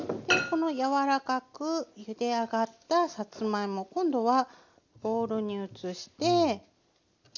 この柔らかくゆで上がったさつまいも今度はボウルに移して。